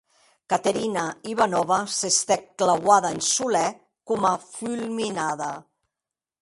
Caterina Ivanovna s’estèc clauada en solèr, coma fulminada.